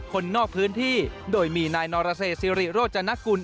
คนนอกพื้นที่โดยมีนายนรเศษสิริโรจนกุล